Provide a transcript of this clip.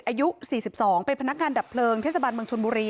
อายุ๔๒เป็นพนักงานดับเพลิงเทศบาลเมืองชนบุรี